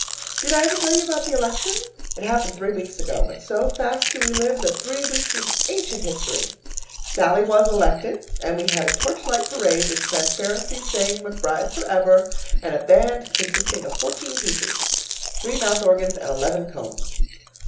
Did I ever tell you about the election? It happened three weeks ago, but so fast do we live, that three weeks is ancient history. Sallie was elected, and we had a torchlight parade with transparencies saying, 'McBride for Ever,' and a band consisting of fourteen pieces (three mouth organs and eleven combs).